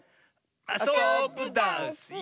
あそぶダスよ！